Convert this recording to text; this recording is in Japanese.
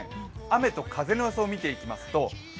雨と風の予想を見ていきますと